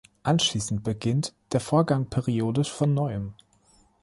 Anschließend beginnt der Vorgang periodisch von neuem.